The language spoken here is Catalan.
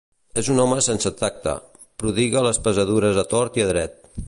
És un home sense tacte: prodiga les pesadures a tort i a dret.